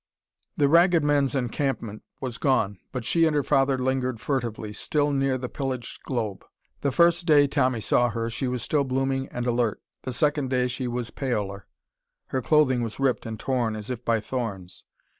The Ragged Men's encampment was gone, but she and her father lingered furtively, still near the pillaged globe. The first day Tommy saw her, she was still blooming and alert. The second day she was paler. Her clothing was ripped and torn, as if by thorns.